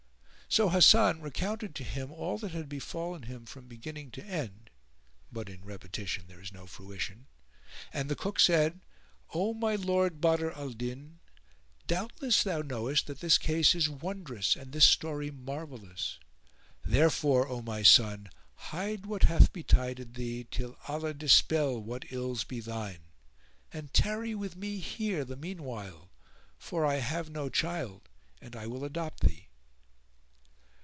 So Hasan recounted to him all that had befallen him from beginning to end (but in repetition there is no fruition) and the Cook said, "O my lord Badr al Din, doubtless thou knowest that this case is wondrous and this story marvellous; therefore, O my son, hide what hath betided thee, till Allah dispel what ills be thine; and tarry with me here the meanwhile, for I have no child and I will adopt thee."